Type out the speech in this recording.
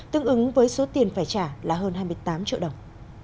tương ứng với số tiền phải trả là hơn hai mươi tám triệu đồng